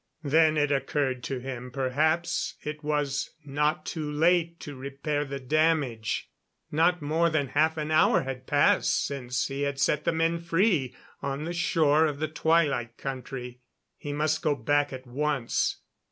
Then it occurred to him perhaps it was not too late to repair the damage. Not more than half an hour had passed since he had set the men free on the shore of the Twilight Country. He must go back at once.